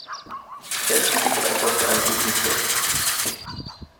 Spenden Sie doch etwas für einen guten Zweck!